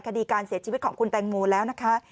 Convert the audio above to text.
คดีการเสียชีวิตของคุณแตงโมแล้วนะคะ